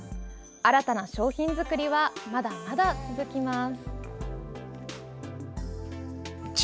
新たな商品作りはまだまだ続きます。